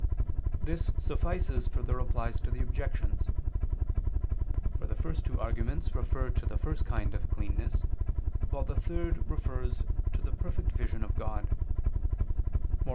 This suffices for the Replies to the Objections: for the first two arguments refer to the first kind of cleanness; while the third refers to the perfect vision of God.